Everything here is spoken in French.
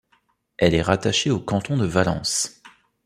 Elle est rattachée au canton de Valence.